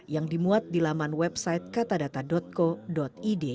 yang dimuat di laman website katadata co id